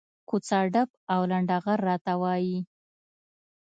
کوڅه ډب او لنډه غر راته وایي.